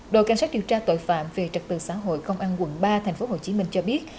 đội cảnh sát điều tra tội phạm về trật tự xã hội công an quận ba tp hcm cho biết